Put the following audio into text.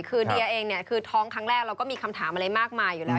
คือเดียเองเนี่ยคือท้องครั้งแรกเราก็มีคำถามอะไรมากมายอยู่แล้ว